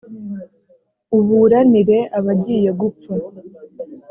uburanire abagiye gupfa